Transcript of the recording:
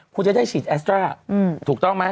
คุณจะได้ฉีดแอสตราถูกต้องไหม